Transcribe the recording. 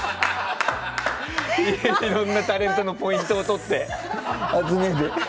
いろんなタレントのポイントを取ってね。